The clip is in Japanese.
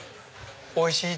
おいしい！